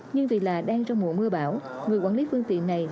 nhưng vì là đang trong mùa mưa bão người quản lý phương tiện này